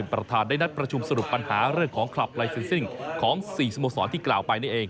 ประธานได้นัดประชุมสรุปปัญหาเรื่องของคลับไลเซ็นซิ่งของ๔สโมสรที่กล่าวไปนี่เอง